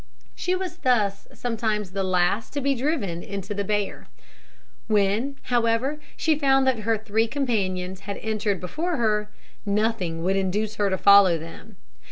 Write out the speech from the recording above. She was thus sometimes the last to be driven into the byre. When, however, she found that her three companions had entered before her, nothing would induce her to follow them.